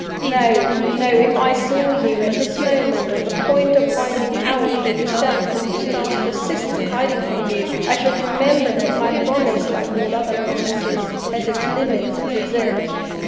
No! no! if I saw you, at this moment, on the point of finding out for yourself what Eustace persists in hiding from you, I should remember that my promise, like all other promises, has its limits and reserves.